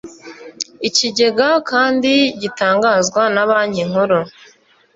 ikigega kandi gitangazwa na banki nkuru